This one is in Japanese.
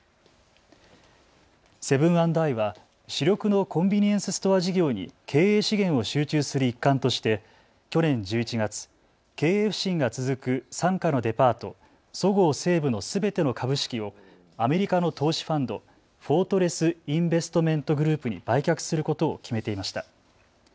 セブン＆アイは主力のコンビニエンスストア事業に経営資源を集中する一環として去年１１月、経営不振が続く傘下のデパート、そごう・西武のすべての株式をアメリカの投資ファンド、フォートレス・インベストメント・グループに売却することを決めていました。